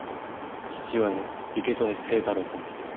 父親の池添清太郎さんです。